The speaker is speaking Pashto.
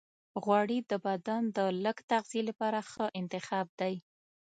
غوړې د بدن د لږ تغذیې لپاره ښه انتخاب دی.